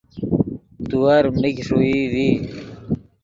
تیور میگ ݰوئی ڤی